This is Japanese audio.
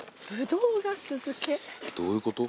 どういうこと？